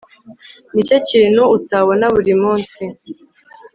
Nicyo kintu utabona buri munsi